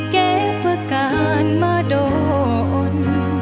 แก่เพื่อการมาโดน